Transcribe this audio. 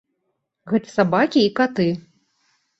Гэта сабакі і каты.